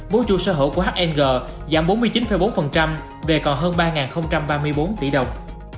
vốn chủ sở hữu của hng giảm bốn mươi chín bốn về còn hơn ba ba mươi bốn tỷ đồng